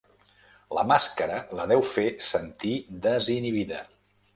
La màscara la deu fer sentir desinhibida.